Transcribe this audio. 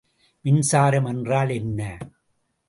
மின்சாரம் என்றால் என்ன?